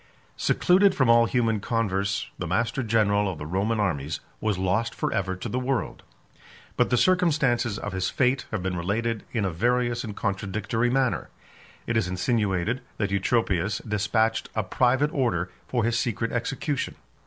14 Secluded from all human converse, the master general of the Roman armies was lost forever to the world; but the circumstances of his fate have been related in a various and contradictory manner. It is insinuated that Eutropius despatched a private order for his secret execution.